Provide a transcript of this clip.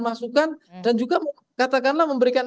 masukan dan juga katakanlah memberikan